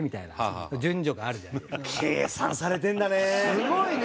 すごいね！